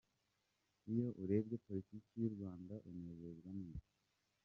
com: Iyo urebye politiki y’u Rwanda unezezwa n’iki?.